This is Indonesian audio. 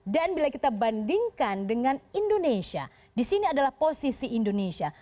dan bila kita bandingkan dengan indonesia disini adalah posisi indonesia